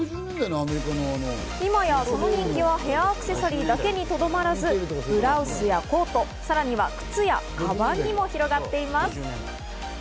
今やその人気はヘアアクセサリーだけにとどまらず、ブラウスやコート、さらには靴やかばんにも広がっています。